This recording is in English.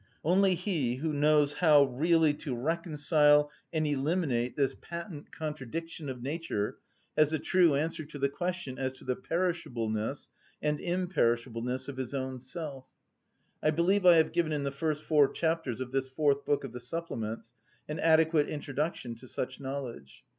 Only he who knows how to really reconcile and eliminate this patent contradiction of nature has a true answer to the question as to the perishableness and imperishableness of his own self. I believe I have given, in the first four chapters of this fourth book of the supplements, an adequate introduction to such knowledge.